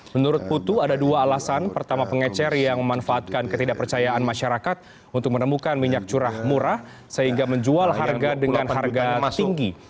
menurut putu ada dua alasan pertama pengecer yang memanfaatkan ketidakpercayaan masyarakat untuk menemukan minyak curah murah sehingga menjual harga dengan harga tinggi